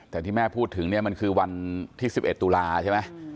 แต่ที่แม่พูดถึงเนี่ยมันคือวันที่๑๑ตุลาใช่ไหม